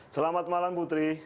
selamat malam putri